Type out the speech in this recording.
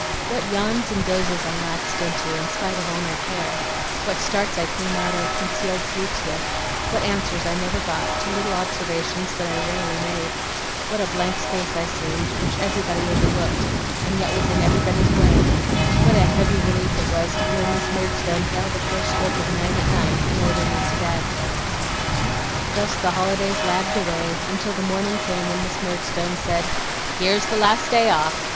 What yawns and dozes I lapsed into, in spite of all my care; what starts I came out of concealed sleeps with; what answers I never got, to little observations that I rarely made; what a blank space I seemed, which everybody overlooked, and yet was in everybody's way; what a heavy relief it was to hear Miss Murdstone hail the first stroke of nine at night, and order me to bed! Thus the holidays lagged away, until the morning came when Miss Murdstone said: 'Here's the last day off!